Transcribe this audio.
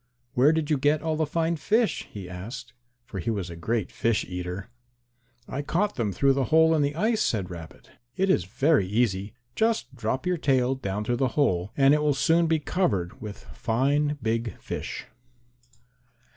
"Where did you get all the fine fish?" he asked, for he was a great fish eater. "I caught them through the hole in the ice," said Rabbit. "It is very easy. Just drop your tail down through the hole and it will soon be covered with fine big fish."